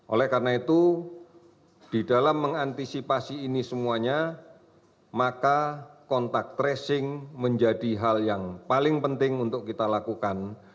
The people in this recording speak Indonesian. oleh karena itu di dalam mengantisipasi ini semuanya maka kontak tracing menjadi hal yang paling penting untuk kita lakukan